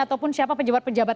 ataupun siapa pejabat pejabat